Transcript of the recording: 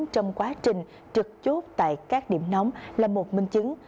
trong quá trình trực chốt tại các điểm nóng là một minh chứng